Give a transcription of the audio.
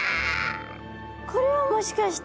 これはもしかして。